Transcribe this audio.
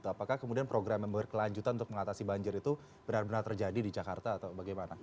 apakah kemudian program yang berkelanjutan untuk mengatasi banjir itu benar benar terjadi di jakarta atau bagaimana